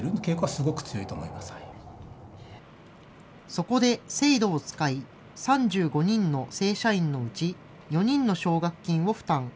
そこで制度を使い、３５人の正社員のうち、４人の奨学金を負担。